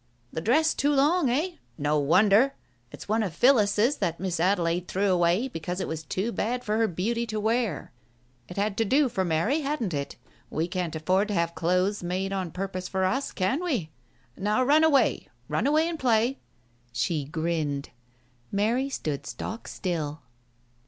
The, dress too long, eh ? No wonder ! It's one of Phillis's that Miss Adelaide threw away because it was too bad for her beauty to wear. It had to do for my Mary, hadn't it? We can't afford to have clothes made on purpose for us, can we ? Now run away, run away and play !" She grinned. Mary stood stock still.